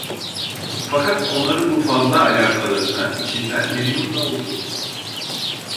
Fakat onların bu fazla alakalarına içinden memnun da oldu.